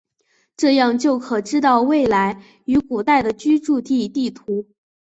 这样就可知道未来与古代的居住地地图。